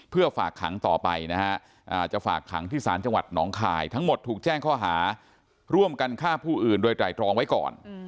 เพื่อฝากขังต่อไปนะฮะจะฝากขังที่ศาลจังหวัดหนองคายทั้งหมดถูกแจ้งข้อหาร่วมกันฆ่าผู้อื่นโดยไตรรองไว้ก่อน